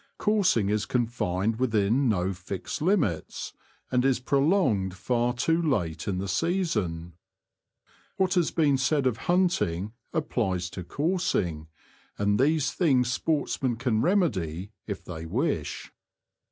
Coursing is confined within no fixed limits, and is pro longed far too late in the season. What has been said of hunting applies to coursing, and these things sportsmen can remedy if they wish.